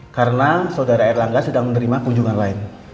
karena saudara erlangga sedang menerima kunjungan lain